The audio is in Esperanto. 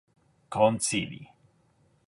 konsili